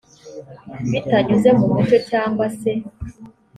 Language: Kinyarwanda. bitanyuze mu mucyo cyangwa se